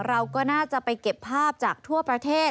เราก็น่าจะไปเก็บภาพจากทั่วประเทศ